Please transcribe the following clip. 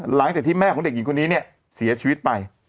หลังจากที่แม่ของเด็กหญิงคนนี้เนี่ยเสียชีวิตไป